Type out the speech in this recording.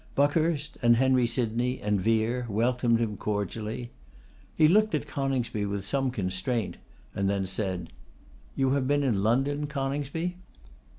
Buckhurst, and Henry Sydney, and Vere, welcomed him cordially. He looked at Coningsby with some constraint, and then said: 'You have been in London, Coningsby?